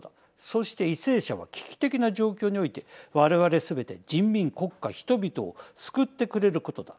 そして為政者は危機的な状況において我々すべて人民国家人々を救ってくれることだ。